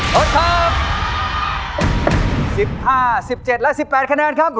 รถครับสิบห้าสิบเจ็ดและสิบแปดคะแนนครับ